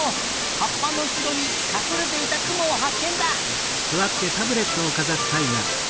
はっぱのうしろにかくれていたクモをはっけんだ！